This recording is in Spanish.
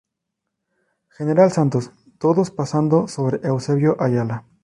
General Santos, todos pasando sobre Eusebio Ayala.